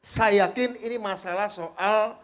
saya yakin ini masalah soal